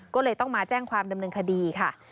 ก็เลยต้องมาแจ้งความดำเนินคดีค่ะ